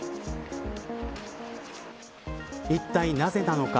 いったい、なぜなのか。